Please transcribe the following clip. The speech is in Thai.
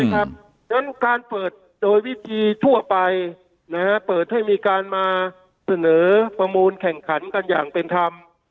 จนการเปิดโดยวิธีทั่วไปนะเบอร์เธอมีการมาเสนอประมูลแข่งขันกันอย่างเป็นทำ